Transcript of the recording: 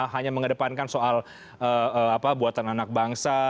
hanya mengedepankan soal buatan anak bangsa